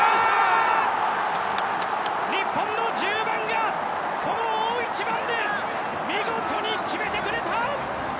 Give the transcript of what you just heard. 日本の１０番がこの大一番で見事に決めてくれた！